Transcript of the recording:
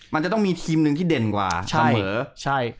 มันจะต้องมีทีมหนึ่งที่เด่นกว่าเสมอใช่